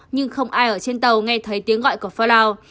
nhưng không ai ở trên tàu nghe thấy tiếng gọi của flow